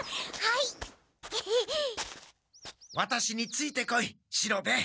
ワタシについてこい四郎兵衛。